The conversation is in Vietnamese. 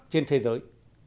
trên thế giới